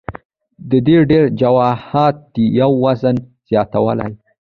د دې ډېر وجوهات دي يو د وزن زياتوالے ،